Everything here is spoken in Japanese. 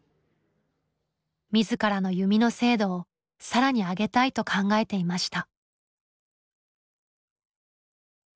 自らの弓の精度を更に上げたいと考えていました。